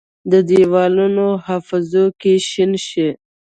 د دیوالونو حافظو کې شین شي،